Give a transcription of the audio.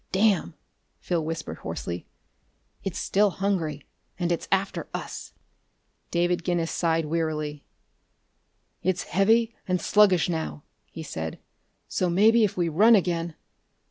"Damn!" Phil whispered hoarsely. "It's still hungry and it's after us!" David Guinness sighed wearily. "It's heavy and sluggish, now," he said, "so maybe if we run again....